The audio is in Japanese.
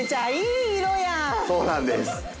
そうなんです。